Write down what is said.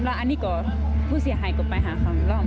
แล้วอันนี้ก็ผู้เสียหายก็ไปหาเขาอีกรอบ